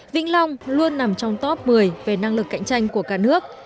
vĩnh long luôn nằm trong top một mươi về năng lực cạnh tranh của cả nước